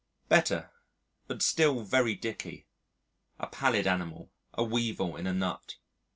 Better, but still very dicky: a pallid animal: a weevil in a nut.